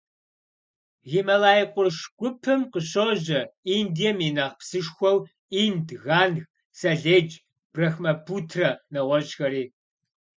Гималай къурш гупым къыщожьэ Индием и нэхъ псышхуэу Инд, Ганг, Саледж, Брахмапутрэ, нэгъуэщӀхэри.